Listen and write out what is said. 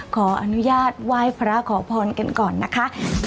ขออนุญาตไหว้พระขอพรกันก่อนนะคะ